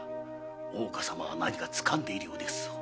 大岡様は何か掴んでいるようですぞ。